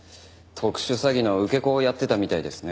特殊詐欺の受け子をやってたみたいですね。